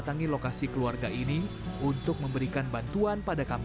pahe sama saya jadi sembilan anak